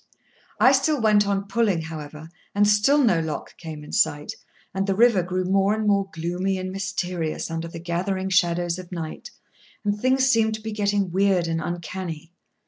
I still went on pulling, however, and still no lock came in sight, and the river grew more and more gloomy and mysterious under the gathering shadows of night, and things seemed to be getting weird and uncanny.